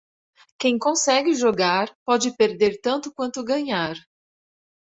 Quem consegue jogar, pode perder tanto quanto ganhar.